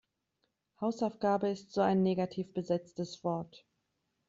Hausaufgabe ist so ein negativ besetztes Wort.